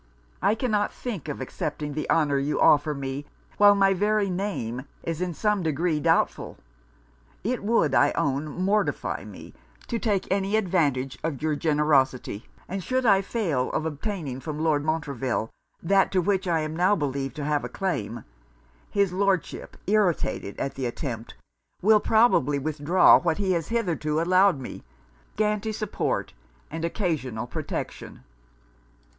I cannot think of accepting the honour you offer me, while my very name is in some degree doubtful; it would, I own, mortify me to take any advantage of your generosity; and should I fail of obtaining from Lord Montreville that to which I am now believed to have a claim, his Lordship, irritated at the attempt, will probably withdraw what he has hitherto allowed me scanty support, and occasional protection.'